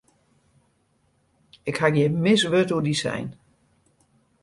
Ik haw gjin mis wurd oer dy sein.